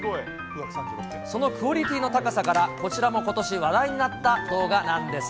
そのクオリティーの高さから、こちらもことし話題になった動画なんです。